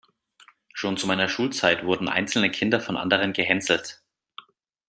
Schon zu meiner Schulzeit wurden einzelne Kinder von anderen gehänselt.